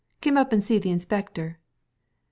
Kim up an' see th' Inspector !